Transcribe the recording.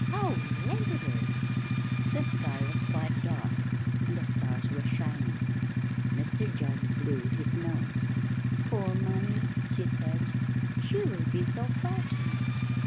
"How late it is!" The sky was quite dark, and the stars were shining. Mr Jugg blew his nose. "Poor Mummy!" she said; "she will be so frightened."